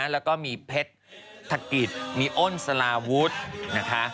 แล้วก็มีเพชรถกิจมีโอนสลาวุทธ์